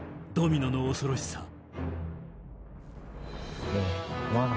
ドミノの恐ろしさ